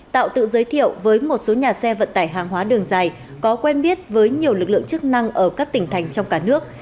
tạo tự giới thiệu với một số nhà xe vận tải hàng hóa đường dài có quen biết với nhiều lực lượng chức năng ở các tỉnh thành trong cả nước